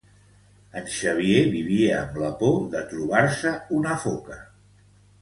En Xavier vivia amb la por de trobar-se una foca.